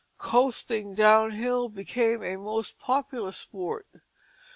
Coasting down hill became a most popular sport.